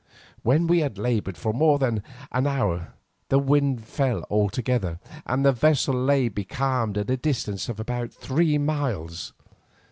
When we had laboured for more than an hour the wind fell altogether and the vessel lay becalmed at a distance of about three miles.